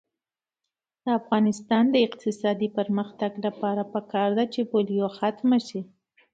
د افغانستان د اقتصادي پرمختګ لپاره پکار ده چې پولیو ختمه شي.